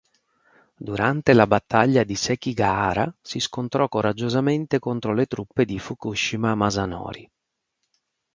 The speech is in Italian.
Durante la battaglia di Sekigahara si scontrò coraggiosamente contro le truppe di Fukushima Masanori.